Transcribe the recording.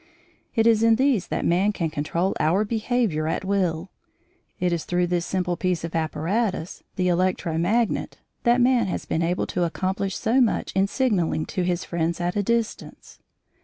It is in these that man can control our behaviour at will. It is through this simple piece of apparatus the electro magnet that man has been able to accomplish so much in signalling to his friends at a distance.